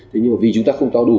thế nhưng mà vì chúng ta không to đủ